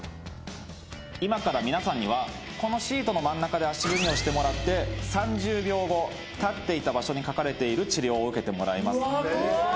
今から皆さんにはこのシートの真ん中で足踏みをしてもらって３０秒後立っていた場所に書かれている治療を受けてもらいます。